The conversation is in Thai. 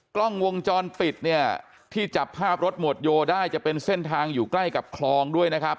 กล้องวงจรปิดเนี่ยที่จับภาพรถหมวดโยได้จะเป็นเส้นทางอยู่ใกล้กับคลองด้วยนะครับ